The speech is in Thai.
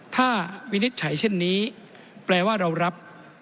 ถ้าวินิจฉัยเช่นนี้แปลว่าเรารับ